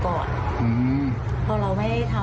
พอเราไม่ได้ทำให้เขาก็บอกว่าจะมาเอาโทรศัพท์ที่รถ